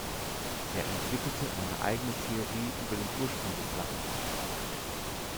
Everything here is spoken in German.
Er entwickelte eine eigene Theorie über den Ursprung des Lachens.